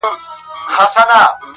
ږغ مي ټول کلی مالت سي اورېدلای!.